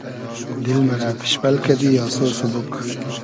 دیل مئرۂ پیشپئل کئدی آسۉ سوبوگ